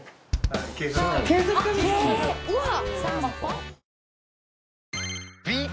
うわっ。